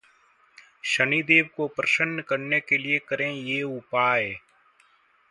शनिदेव को प्रसन्न करने के लिए करें ये उपाय